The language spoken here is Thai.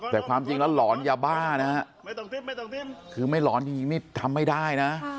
แต่ความจริงแล้วหลอนยาบ้านะฮะคือไม่หลอนจริงนี่ทำไม่ได้นะ